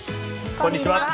こんにちは。